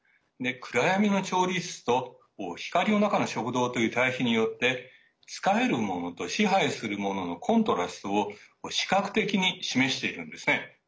暗闇の調理室と光の中の食堂という対比によって仕える者と支配する者のコントラストを視覚的に示しているんですね。